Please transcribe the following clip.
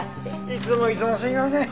いつもいつもすいません。